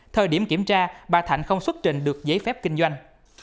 thời điểm kiểm tra bà thạnh không xuất trình được giấy phép kinh doanh